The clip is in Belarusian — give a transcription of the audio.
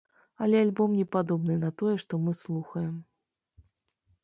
Але альбом не падобны на тое, што мы слухаем.